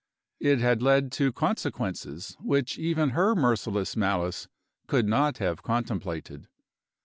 It had led to consequences which even her merciless malice could not have contemplated.